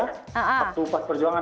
waktu pas perjuangan